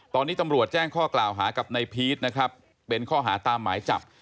ตอนนี้ตำรวจแจ้งข้อกล่าวหากับนายพีชนะครับเป็นข้อหาตามหมายจับ